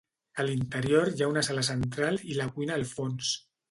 A l'interior hi ha una sala central i la cuina al fons.